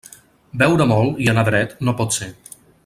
Beure molt i anar dret no pot ser.